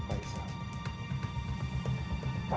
tapi ini balasannya